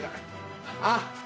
あっ。